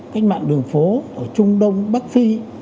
cách mạng đường phố ở trung đông bắc phi